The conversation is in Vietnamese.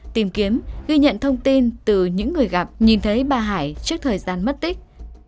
tìm kiếm ghi nhận thông tin từ những người gặp nhìn thấy bà hải trước thời gian mất tích